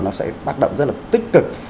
nó sẽ tác động rất là tích cực